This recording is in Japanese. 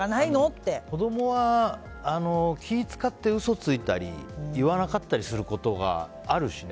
子供は気を使って嘘ついたり、言わなかったりすることがあるしね。